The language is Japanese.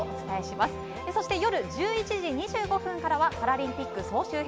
そして夜１１時２５分からはパラリンピック総集編。